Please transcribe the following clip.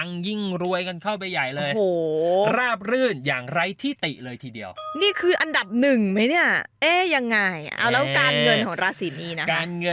ความรักของราศิกุนะคะ